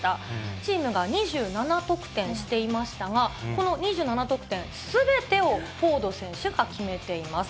チームが２７得点していましたが、この２７得点すべてをフォード選手が決めています。